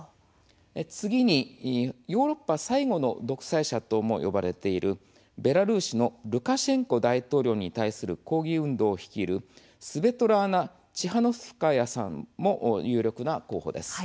次に、ヨーロッパ最後の独裁者とも呼ばれているベラルーシのルカシェンコ大統領に対する抗議運動を率いるスベトラーナ・チハノフスカヤさんも有力な候補です。